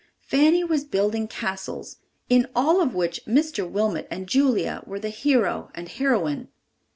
Fanny was building castles—in all of which Mr. Wilmot and Julia were the hero and heroine.